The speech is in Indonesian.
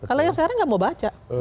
kalau yang sekarang nggak mau baca